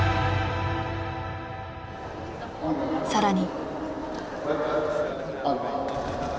更に。